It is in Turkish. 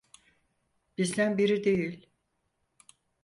Bizden biri değil.